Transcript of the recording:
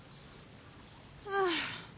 ああ。